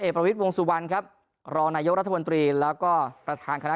เอกประวิทวงสุวรรณครับรนยรรธบนตรีแล้วก็ประธางคราน